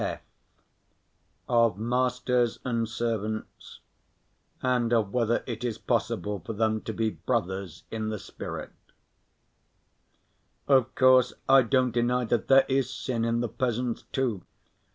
(f) Of Masters and Servants, and of whether it is possible for them to be Brothers in the Spirit Of course, I don't deny that there is sin in the peasants too.